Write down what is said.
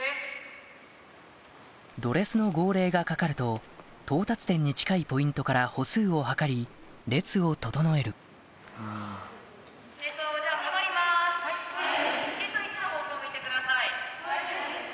ドレスの号令がかかると到達点に近いポイントから歩数を測り列を整えるはい。